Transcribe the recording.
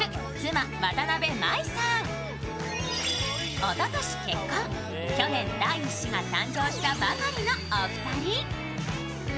おととい結婚、去年、第１子が誕生したばかりのお二人。